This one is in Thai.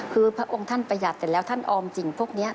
คือพระองค์ท่านประหยัดเสร็จแล้วท่านออมสิ่งพวกนี้